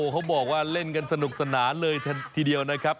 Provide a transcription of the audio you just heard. เขาบอกว่าเล่นกันสนุกสนานเลยทีเดียวนะครับ